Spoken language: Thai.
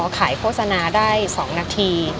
โฆษณาได้๒นาที